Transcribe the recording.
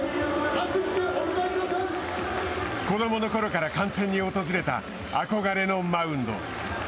子どものころから観戦に訪れた憧れのマウンド。